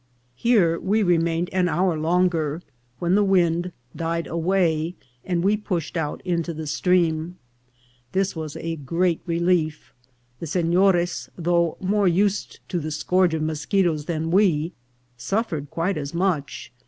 Here we remained an hour longer, when the wind died away, and we pushed out into the stream. This was a great relief. The senores, though more used to the scourge of moschetoes than we, suf fered quite as much.